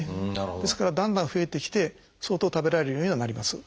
ですからだんだん増えてきて相当食べられるようにはなります。